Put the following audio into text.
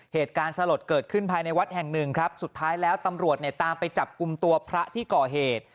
เหตุการณ์สลดเกิดขึ้นภายในวัดแห่งหนึ่งครับสุดท้ายแล้วตำรวจเนี่ยตามไปจับกลุ่มตัวพระที่ก่อเหตุ